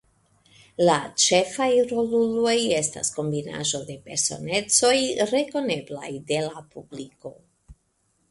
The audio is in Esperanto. La ĉefaj roluloj estas kombinaĵo de personecoj rekoneblaj de la publiko.